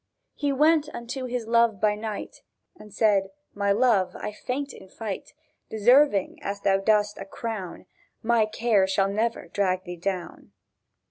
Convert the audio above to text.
He went unto his Love by night, And said: "My Love, I faint in fight: Deserving as thou dost a crown, My cares shall never drag thee down."